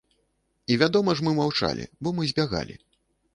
І вядома ж, мы маўчалі, бо мы збягалі.